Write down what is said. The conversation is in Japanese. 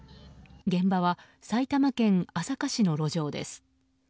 現場は埼玉県朝霞市の路上です。